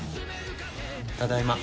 ただいま。